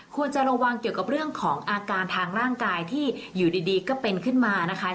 ควรจะระวังเกี่ยวกับเรื่องของอาการทางร่างกายที่อยู่ดีก็เป็นขึ้นมานะคะ